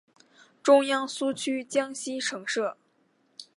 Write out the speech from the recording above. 中央苏区江西省设。